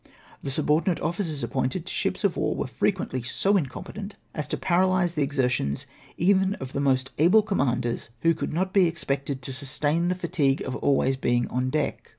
The subordinate officers appomted to ships of war were frecjuently so incompetent as to paralyse the exertions even of the most able com manders, who could not be expected to sustain the fatigue of being always on deck.